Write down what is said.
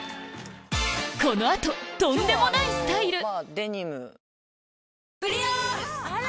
この後とんでもないスタイルあら！